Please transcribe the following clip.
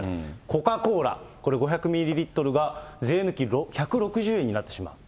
コカ・コーラ、これ、５００ミリリットルが税抜き１６０円になってしまう。